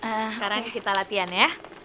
sekarang kita latihan ya